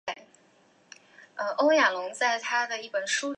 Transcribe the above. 之后也改编为真人电影和动画短片。